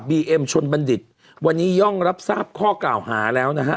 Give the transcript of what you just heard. เอ็มชนบัณฑิตวันนี้ย่องรับทราบข้อกล่าวหาแล้วนะฮะ